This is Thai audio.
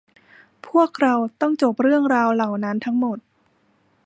พวกเราต้องจบเรื่องราวเหล่านั้นทั้งหมด